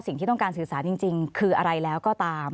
สิ่งที่ต้องการสื่อสารจริงคืออะไรแล้วก็ตาม